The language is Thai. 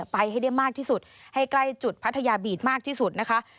ไปให้ได้มากที่สุดให้ใกล้จุดพัทยาบีดมากที่สุดนะคะ